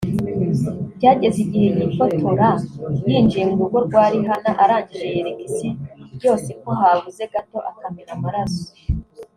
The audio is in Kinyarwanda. Byageze igihe yifotora yinjiye mu rugo rwa Rihanna arangije yereka Isi yose ko habuze gato akamena amaraso